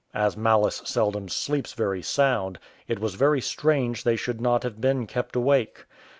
As malice seldom sleeps very sound, it was very strange they should not have been kept awake.